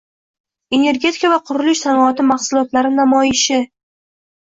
Energetika va qurilish sanoati mahsulotlari namoyishing